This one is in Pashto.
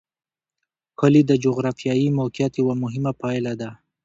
کلي د جغرافیایي موقیعت یوه مهمه پایله ده.